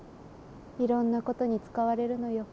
いろんなことに使われるのよ。